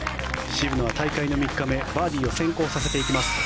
渋野は大会の３日目バーディーを先行させていきます